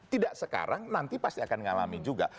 tidak sekarang nanti pasti akan ngalami juga